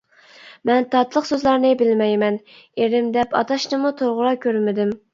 مەن تاتلىق سۆزلەرنى بىلمەيمەن، «ئېرىم» دەپ ئاتاشنىمۇ توغرا كۆرمىدىم.